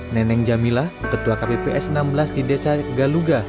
neneng jamila ketua kpps enam belas di desa galuga